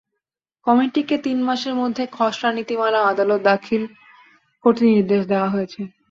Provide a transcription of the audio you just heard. কমিটিকে তিন মাসের মধ্যে খসড়া নীতিমালা আদালতে দাখিল করতে নির্দেশ দেওয়া হয়েছে।